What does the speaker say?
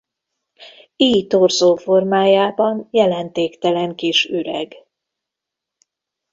Ily torzó formájában jelentéktelen kis üreg.